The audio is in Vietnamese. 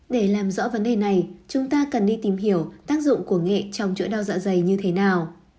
để làm rõ vấn đề này chúng ta cần đi tìm hiểu tác dụng của nghệ trong chuỗi đau dạ dày như thế nào